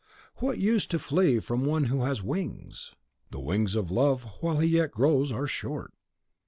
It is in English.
Dafne: What use to flee from one who has wings? Tirsi: The wings of Love, while he yet grows, are short.)